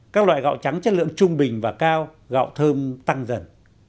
các loại gạo trắng chất lượng trung bình và cao gạo thơm tăng dần